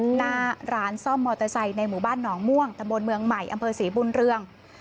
หน้าร้านซ่อมมอเตอร์ไซค์ในหมู่บ้านหนองม่วงตะบนเมืองใหม่อำเภอศรีบุญเรือง